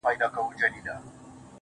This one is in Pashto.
• ها دی سلام يې وکړ.